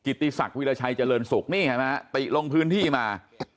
กิติศักดิ์วิรชัยเจริญศุกร์ติ๊กลงพื้นที่มา